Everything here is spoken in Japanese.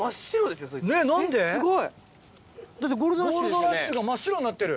すごい。